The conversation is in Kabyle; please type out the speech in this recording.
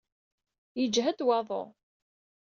Yejhed waḍu.